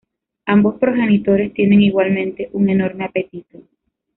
Ambos progenitores tienen igualmente un enorme apetito.